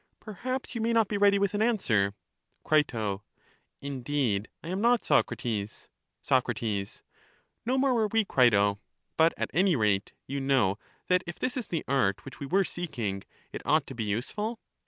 Perhaps you may not be ready with an answer? Cri. Indeed I am not, Socrates. Soc, No more were we, Crito. But at any rate you know that if this is the art which we were seeking, it ought to be useful?